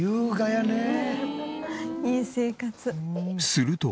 すると。